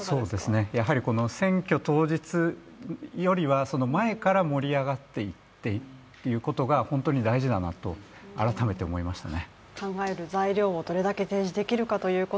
やはり選挙当日よりは、前から、盛り上がっていてということが本当に大事だなと改めて思いましたね。